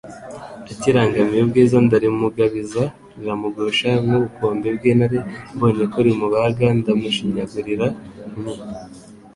akirangamiye ubwiza ndarimugabiza riramugusha nk'ubukombe bw' intare; mbonye ko rimubaga ndamushinyagurira, nti